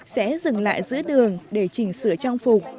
sẽ dừng lại giữa đường để chỉnh sửa trang phục